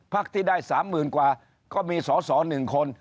พักที่ได้สามหมื่นกว่าก็มีสอหนึ่งคน